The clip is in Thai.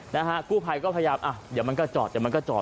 นะฮะกู้ภัยก็พยายามอ่ะเดี๋ยวมันก็จอดเดี๋ยวมันก็จอด